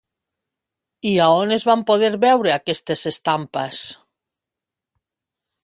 I a on es van poder veure aquestes estampes?